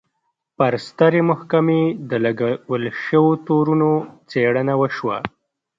پر سترې محکمې د لګول شویو تورونو څېړنه وشوه.